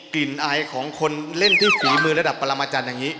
กลิ่นอายของคนเล่นที่ฝีมือลสัตว์ประมาช์มญาปัจจันทร์อย่างนี้